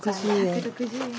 １６０円。